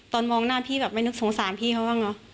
ตอนมองหน้าพี่แบบไม่นึกสงสารพี่เขาบ้างเนอะ